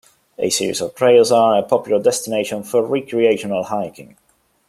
A series of trails are a popular destination for recreational hiking.